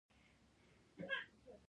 بلکې دا کار د بارنس د مفکورې پايله وه.